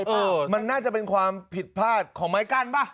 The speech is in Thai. เออมันน่าจะเป็นความผิดพลาดของไม้กั้นป่ะ